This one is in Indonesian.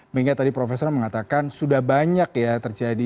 mengingat tadi profesor mengatakan sudah banyak ya terjadi